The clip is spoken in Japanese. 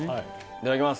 いただきます